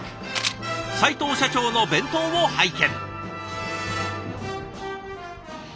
齋藤社長の弁当を拝見。